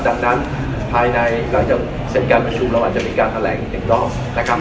เพราะฉะนั้นภายในการเสร็จการประชุมเราอาจจะมีการแถลงอีกครั้งนะครับ